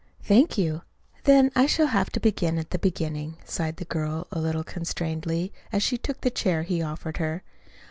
"Thank you. Then I shall have to begin at the beginning," sighed the girl a little constrainedly as she took the chair he offered her.